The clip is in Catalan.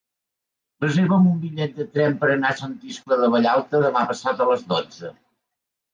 Reserva'm un bitllet de tren per anar a Sant Iscle de Vallalta demà passat a les dotze.